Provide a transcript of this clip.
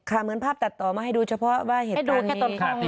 คือเหมือนภาพตัดต่อมาให้ดูเฉพาะว่าเหตุการณ์มี